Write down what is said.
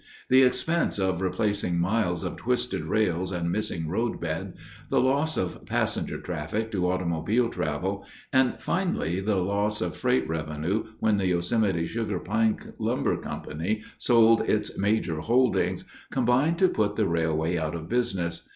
The expense of replacing miles of twisted rails and missing roadbed, the loss of passenger traffic to automobile travel, and finally the loss of freight revenue when the Yosemite Sugar Pine Lumber Company sold its major holdings, combined to put the railway out of business.